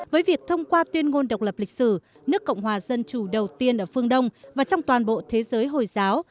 với việc thông qua tuyên ngôn độc lập lịch sử nước cộng hòa dân chủ đầu tiên ở phương đông và trong toàn bộ thế giới hồi giáo